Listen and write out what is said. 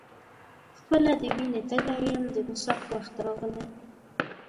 خپله د وینې تږی یم د مصاف وخت راغی.